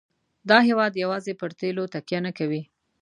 دا هېواد یوازې پر تیلو تکیه نه کوي.